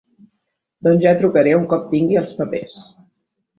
Doncs ja trucaré un cop tingui els papers.